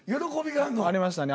ありましたね。